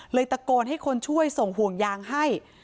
ตะโกนให้คนช่วยส่งห่วงยางให้